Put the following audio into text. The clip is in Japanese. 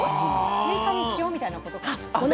スイカの塩みたいなことかな？